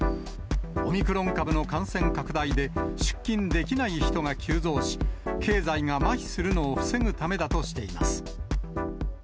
オミクロン株の感染拡大で出勤できない人が急増し、経済がまひするのを防ぐためだとしています。